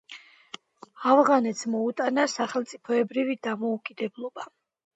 ავღანეთს მოუტანა სახელმწიფოებრივი დამოუკიდებლობა.